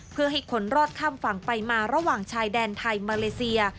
เพื่อให้คนรอดข้ามฝั่งไปมาระหว่างชายแดนไทยมาเลเซีย